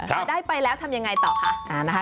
ถ้าจะได้ไปแล้วทำไงต่อค่ะ